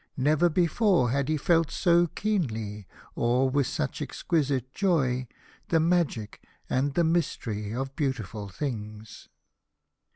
Never before had he felt so keenly, or with such exquisite joy, the magic and the mystery of beautiful things.